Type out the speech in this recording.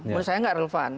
menurut saya tidak relevan